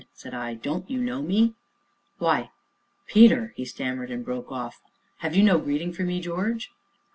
said I, "don't you know me?" "Why Peter " he stammered, and broke off. "Have you no greeting for me, George?"